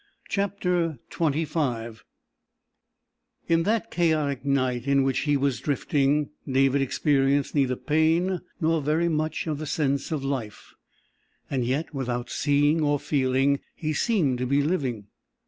CHAPTER XXV In that chaotic night in which he was drifting, David experienced neither pain nor very much of the sense of life. And yet, without seeing or feeling, he seemed to be living.